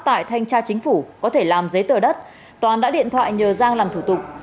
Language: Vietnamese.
tại thanh tra chính phủ có thể làm giấy tờ đất toàn đã điện thoại nhờ giang làm thủ tục